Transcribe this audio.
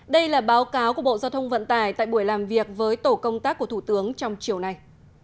đây là báo cáo của bộ giao thông vận tải tại buổi làm việc với tổ công tác của thủ tướng trong chiều nay